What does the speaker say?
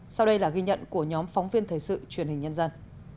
sau đây là ghi nhận của nhóm phóng viên thời sự truyền hình nhân dân